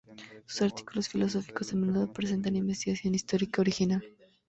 Sus artículos filosóficos a menudo presentan investigación histórica original.